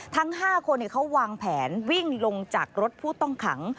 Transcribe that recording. ทั้ง๕คนเขาวางแผนวิ่งลงจากรถผู้ต้องขัง